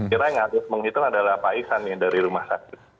kira yang harus menghitung adalah paisan dari rumah satu